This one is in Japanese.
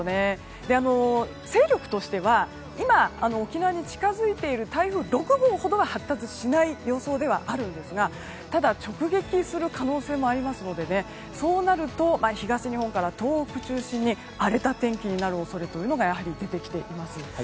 勢力としては今、沖縄に近づいている台風６号ほどは発達しない予報なんですがただ、直撃する可能性もありますのでそうなると東日本から東北を中心に荒れた天気になる恐れというのが出てきています。